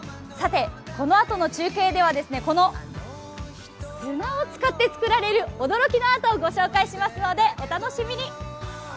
このあとの中継では、この砂を使って作られる、驚きのアートをご紹介しますのでお楽しみに。